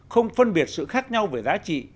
không phân biệt sự khác nhau về giá trị